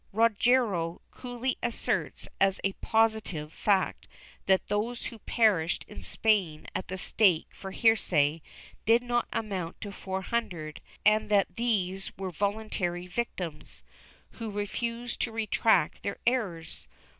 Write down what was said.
Rodrigo coolly asserts as a positive fact that those who perished in Spain at the stake for heresy did not amount to 400 and that these were voluntary victims, who refused to retract their errors.